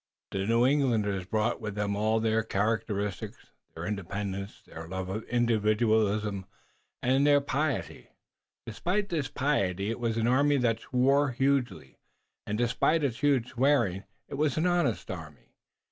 The New Englanders brought with them all their characteristics, their independence, their love of individualism and their piety. Despite this piety it was an army that swore hugely, and, despite its huge swearing, it was an honest army.